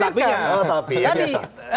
tapi tetapi ya